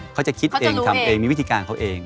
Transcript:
เขาจะคิดเองทำเองมีวิธีการเขาเอง